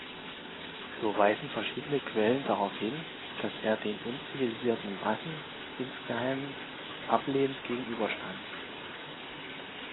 So weisen verschiedene Quellen darauf hin, dass er den „unzivilisierten“ Massen insgeheim ablehnend gegenüberstand.